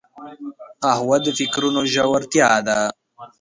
قهوه د فکرونو ژورتیا ده